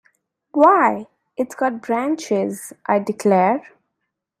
Why, it’s got branches, I declare!